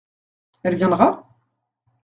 Elle viendra ?